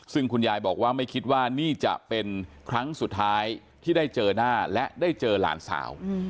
ซึ่งคุณยายบอกว่าไม่คิดว่านี่จะเป็นครั้งสุดท้ายที่ได้เจอหน้าและได้เจอหลานสาว